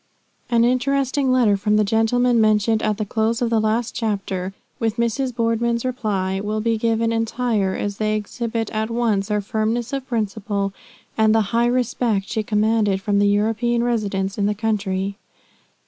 An interesting letter from the gentleman mentioned at the close of the last chapter, with Mrs. Boardman's reply, we will give entire, as they exhibit at once her firmness of principle, and the high respect she commanded from the European residents in the country.